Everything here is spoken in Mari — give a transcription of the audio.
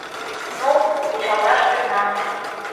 — Ну, вучалташ перна.